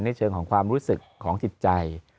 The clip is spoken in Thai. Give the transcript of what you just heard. เชิงของความรู้สึกของจิตใจ